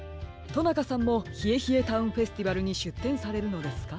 となかさんもひえひえタウンフェスティバルにしゅってんされるのですか？